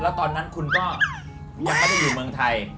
แล้วตอนนั้นคุณก็ยังไม่ได้อยู่เมืองไทย